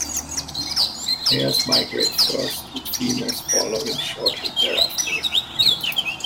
Males migrate first with females following shortly thereafter.